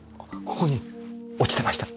ここに落ちてました。